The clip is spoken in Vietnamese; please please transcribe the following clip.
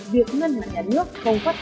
việc ngân hàng nhà nước không phát hành